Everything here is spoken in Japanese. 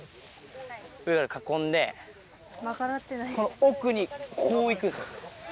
上から囲んで、この奥に、こういくんすよ。